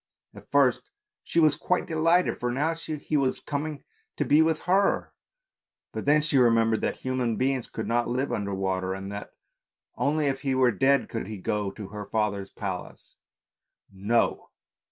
At first she was quite de lighted, for now he was coming to be with her, but then she remembered that human beings could not live under water, and that only if he were dead could he go to her father's palace. No!